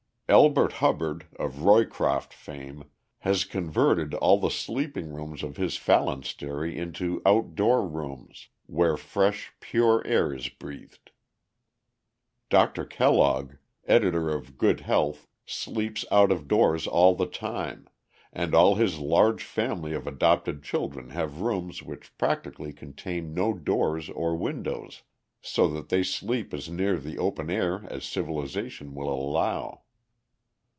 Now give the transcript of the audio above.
Elbert Hubbard, of Roycroft fame, has converted all the sleeping rooms of his phalanstery into outdoor rooms, where fresh, pure air is breathed. Dr. Kellogg, editor of Good Health, sleeps out of doors all the time, and all his large family of adopted children have rooms which practically contain no doors or windows, so that they sleep as near the open air as civilization will allow.